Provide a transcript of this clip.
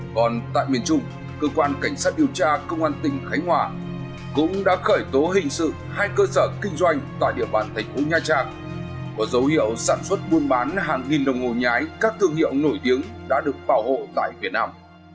còn tại miền trung cơ quan cảnh sát điều tra công an tỉnh khánh hòa cũng đã khởi tố hình sự hai cơ sở kinh doanh tại địa bàn thành phố nha trang có dấu hiệu sản xuất buôn bán hàng nghìn đồng hồ nhái các thương hiệu nổi tiếng đã được bảo hộ tại việt nam